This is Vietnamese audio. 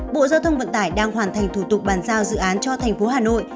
bộ giao thông vận tải đang hoàn thành thủ tục bàn giao dự án cho thành phố hà nội